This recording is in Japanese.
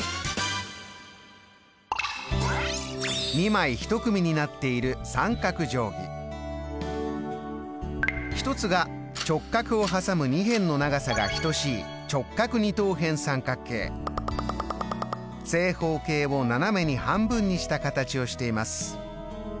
２枚一組になっている一つが直角を挟む２辺の長さが等しい正方形を斜めに半分にした形をしています。